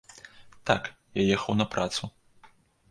Так, я ехаў на працу.